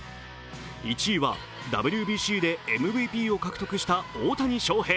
１位はＷＢＣでＭＶＰを獲得した大谷翔平